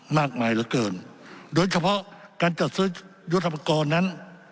มากมายเหลือเกินโดยเฉพาะการจัดซื้อยุทธปกรณ์นั้น